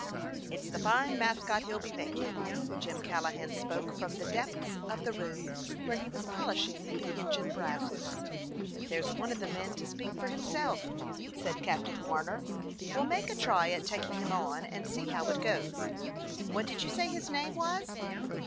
"It 's the fine mascot he 'll be making." Jim Callahan spoke from the depths of the room, where he was polishing the engine brasses. "There 's one of the men to speak for him self," said Captain Warner. "We 'll make a try at taking him on, and see how it goes. What did you say his name was?"